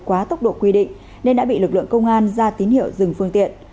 quá tốc độ quy định nên đã bị lực lượng công an ra tín hiệu dừng phương tiện